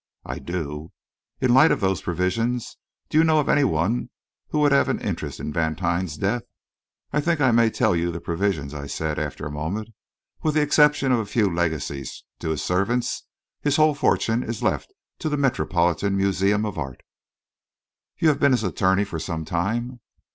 "I do." "In the light of those provisions, do you know of any one who would have an interest in Vantine's death?" "I think I may tell you the provisions," I said, after a moment. "With the exception of a few legacies to his servants, his whole fortune is left to the Metropolitan Museum of Art." "You have been his attorney for some time?"